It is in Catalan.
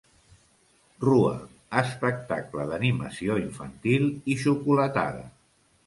Rua, espectacle d'animació infantil i xocolatada.